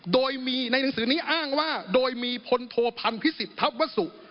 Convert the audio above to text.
โดยมีในหนังสือนี้อ้างว่าโดยมีพลโทพันธ์พิสิทธัวสุ